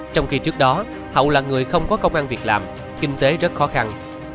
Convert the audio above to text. trong khi trước đó hậu là người không có công an việc làm kinh tế rất khó khăn